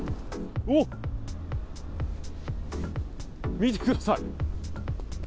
見てください。